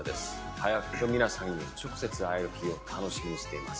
早く皆さんに直接会える日を楽しみにしています。